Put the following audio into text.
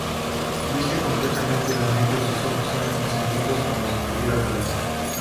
Viste completamente de negro, y sus ojos son encendidos como si tuviesen fuego.